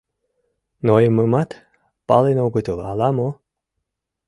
Нойымымат пален огытыл ала-мо.